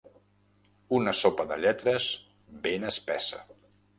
Una sopa de lletres ben espessa.